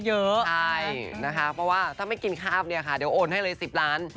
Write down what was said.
เยอะใช่นะคะเพราะว่าถ้าไม่กินคาบเนี่ยค่ะเดี๋ยวโอนให้เลย๑๐ล้าน